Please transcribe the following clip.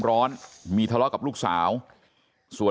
กระดิ่งเสียงเรียกว่าเด็กน้อยจุดประดิ่ง